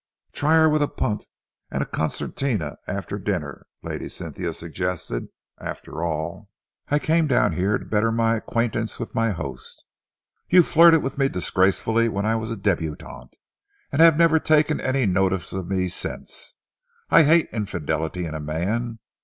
"Try her with a punt and a concertina after dinner," Lady Cynthia suggested. "After all, I came down here to better my acquaintance with my host. You flirted with me disgracefully when I was a debutante, and have never taken any notice of me since. I hate infidelity in a man.